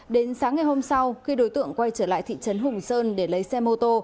đến sáng ngày hôm sau khi đối tượng quay trở lại thị trấn hùng sơn để lấy xe mô tô